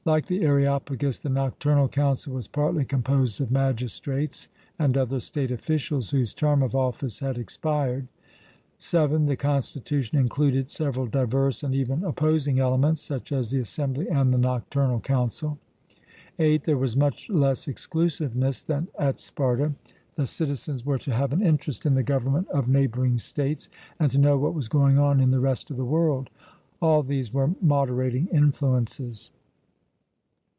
Like the Areopagus, the Nocturnal Council was partly composed of magistrates and other state officials, whose term of office had expired. (7) The constitution included several diverse and even opposing elements, such as the Assembly and the Nocturnal Council. (8) There was much less exclusiveness than at Sparta; the citizens were to have an interest in the government of neighbouring states, and to know what was going on in the rest of the world. All these were moderating influences.